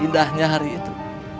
indahnya hari itu